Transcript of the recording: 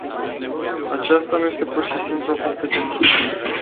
Aceasta nu este pur și simplu o competiție.